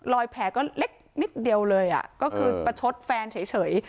แผลก็เล็กนิดเดียวเลยก็คือประชดแฟนเฉย